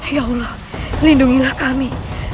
ya allah lindungilah kami